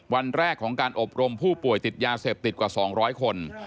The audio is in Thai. วันแรกของการอบรมผู้ป่วยติดยาเสพติดกว่า๒๐๐คน